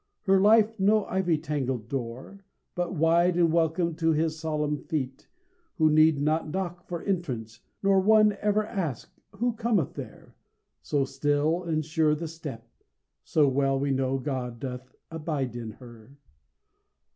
Her life no ivy tangled door, but wide And welcome to His solemn feet, who need Not knock for entrance, nor one ever ask "Who cometh there?" so still and sure the step, So well we know God doth "abide in her."